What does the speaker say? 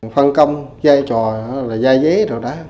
phân công giai trò là giai dế rồi đó